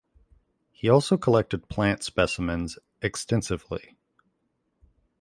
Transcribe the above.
He also collected plant specimens extensively.